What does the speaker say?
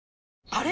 あれ？